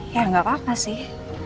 ya nggak apa apa sih